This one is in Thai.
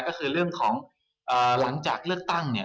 ก็คือเรื่องของหลังจากเลือกตั้ง